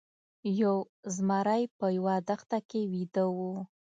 یو زمری په یوه دښته کې ویده و.